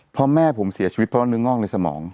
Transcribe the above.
เพราะแม่ผมเสียชีวิตเพราะว่าเนื้องอกในสมอง